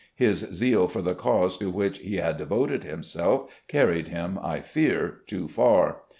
His zeal for the cause to which he had devoted himself carried him, I fear, too far.